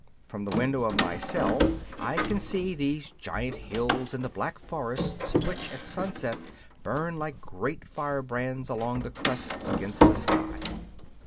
From the window of my cell I can see these giant hills and the black forests which at sunset burn like great firebrands along the crests against the sky.